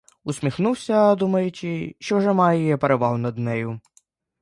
Усміхнувся, думаючи, що вже має перевагу над нею.